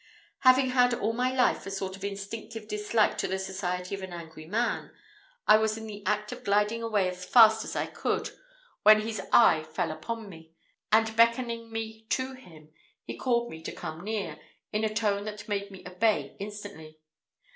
"Having had all my life a sort of instinctive dislike to the society of an angry man, I was in the act of gliding away as fast as I could, when his eye fell upon me, and beckoning me to him, he called me to come near, in a tone that made me obey instantly.